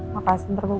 makasih nanti gue ganti